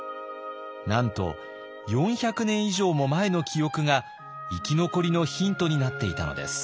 なんと４００年以上も前の記憶が生き残りのヒントになっていたのです。